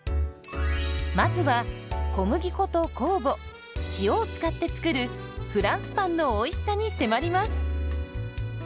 まずは小麦粉と酵母塩を使って作るフランスパンのおいしさに迫ります。